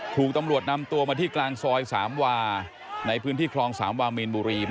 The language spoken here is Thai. ถูกตำรวจนำตัวมาที่กลางซอยสามวาในพื้นที่คลองสามวามีนบุรี